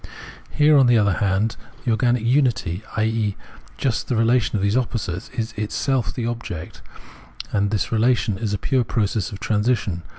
Here, on the other hand, the organic unity, i.e. just the relation of those opposites, is itself the object ; and this relation is a pure process of transition.